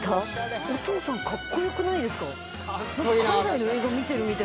お父さんカッコ良くないですか？